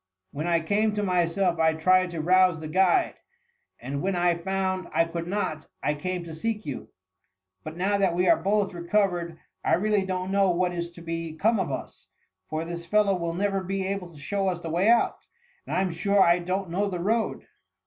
When I came to myself, I tried to rouse the guide, and when I found I could not, I came to seek you ; but now that we are both recovered, I really don't know what is to be. come of us ; for this fellow will never be able to show us the way out, and I'm sure I don't know the road.